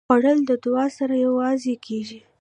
خوړل د دعا سره یوځای کېږي